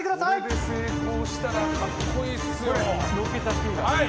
これで成功したら格好いいですよ。